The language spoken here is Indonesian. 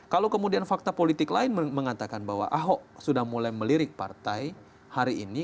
kalau kemudian fakta politik lain mengatakan bahwa ahok sudah mulai melirik partai hari ini